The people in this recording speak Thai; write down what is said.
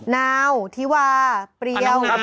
นาวที่วาเปรียว